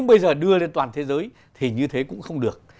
bây giờ đưa lên toàn thế giới thì như thế cũng không được